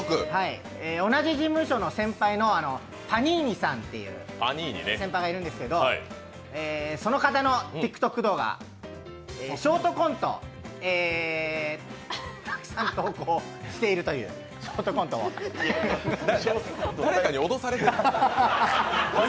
同じ事務所の先輩のパニーニさんっていう先輩がいるんですけど、その方のＴｉｋＴｏｋ動画ショートコント、たくさん投稿しているという、ショートコントを誰かに脅されてる？